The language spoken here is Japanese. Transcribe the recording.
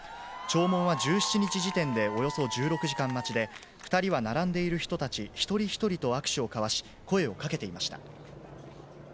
弔問は１７日時点でおよそ１６時間待ちで、２人は並んでいる人たち一人一人と握手を交わし、声をかけていました。